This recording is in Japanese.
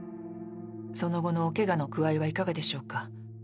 その後のおけがの具合はいかがでしょうか。